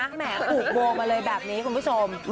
ไม่ใช่นะแหมถูกโวงมาเลยแบบนี้คุณผู้ชม